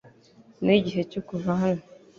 Nigihe cyo kuva hano .